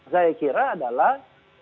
saya kira adalah